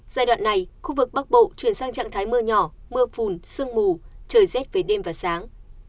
giai đoạn này khu vực bắc bộ chuyển sang trạng thái mưa nhỏ mưa phùn sương mù trời rét về đêm và sáng